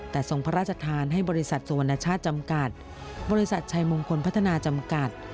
แต่ทรงพระราชทานให้บริษัทสุวรรณชาติจำกัดบริษัทชัยมงคลพัฒนาจำกัด